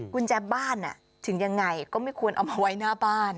กุญแจบ้านถึงยังไงก็ไม่ควรเอามาไว้หน้าบ้าน